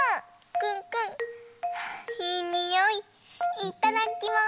いただきます！